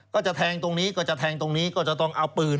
ก็จะแทงตรงนี้ก็จะแทงตรงนี้ก็จะต้องเอาปืน